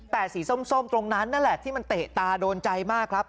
แต่สีส้มตรงนั้นนั่นแหละที่มันเตะตาโดนใจมากครับ